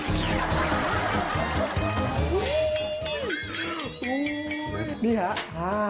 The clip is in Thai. สว่างเลยเหรอ